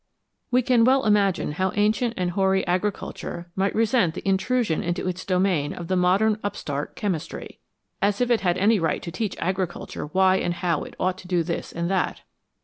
We can well imagine how ancient and hoary Agriculture might resent the in trusion into its domain of the modern upstart Chemistry. As if it had any right to teach Agriculture why and how it ought to do this and that